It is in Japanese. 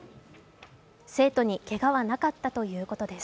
生徒にけがはなかったということです。